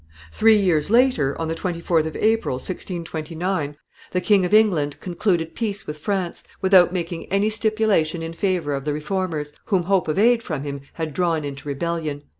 Three years later, on the 24th of April, 1629, the King of England concluded peace with France without making any stipulation in favor of the Reformers whom hope of aid from him had drawn into rebellion.